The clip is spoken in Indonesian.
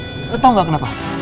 jujur betongan kenapa